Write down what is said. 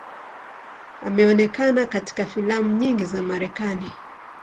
Ameonekana katika filamu nyingi za Marekani.